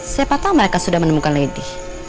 siapa tahu mereka sudah menemukan lady